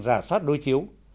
rà soát đối chiếu